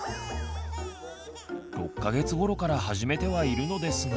６か月ごろから始めてはいるのですが。